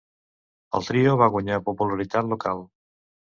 El trio va guanyar popularitat local.